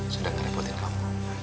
sudah nge reportin kamu